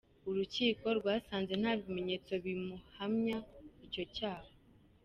Urukiko rwasanze nta bimenyetso bimuhamya icyo cyaha.